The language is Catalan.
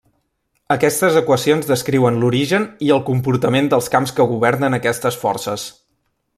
Aquestes equacions descriuen l'origen i el comportament dels camps que governen aquestes forces.